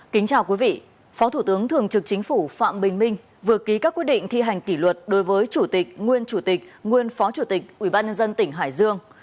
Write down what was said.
kính chào quý vị phó thủ tướng thường trực chính phủ phạm bình minh vừa ký các quyết định thi hành kỷ luật đối với chủ tịch nguyên chủ tịch nguyên phó chủ tịch ubnd tỉnh hải dương